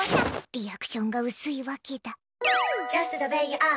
リアクションが薄いわけだ。